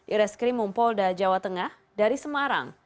ires krimum polda jawa tengah dari semarang